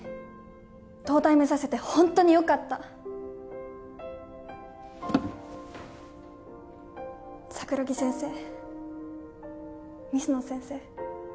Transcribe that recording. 東大目指せてホントによかった桜木先生水野先生